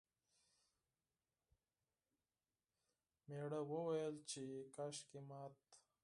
میړه وویل چې کاشکې مات...